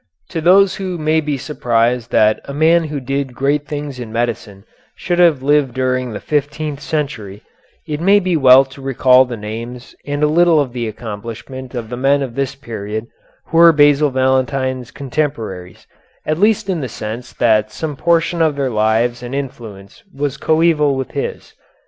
To those who may be surprised that a man who did great things in medicine should have lived during the fifteenth century, it may be well to recall the names and a little of the accomplishment of the men of this period, who were Basil Valentine's contemporaries, at least in the sense that some portion of their lives and influence was coeval with his.